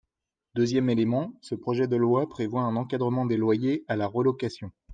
Deuxième élément, ce projet de loi prévoit un encadrement des loyers à la relocation.